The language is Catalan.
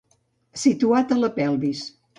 Situat a la pelvis.